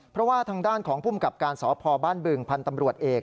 เพราะว่าทางด้านของภูมิกับการสพบ้านบึงพันธ์ตำรวจเอก